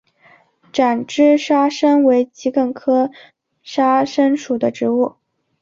展枝沙参为桔梗科沙参属的植物。